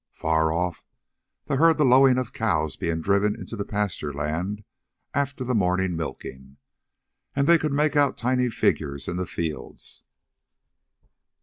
Far off, they heard the lowing of cows being driven into the pasture land after the morning milking, and they could make out tiny figures in the fields.